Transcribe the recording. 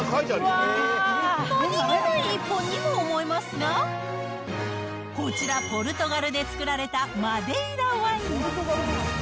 なにげない一本にも思えますが、こちら、ポルトガルでつくられたマデイラワイン。